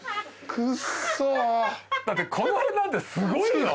だってこの辺なんてすごいよ。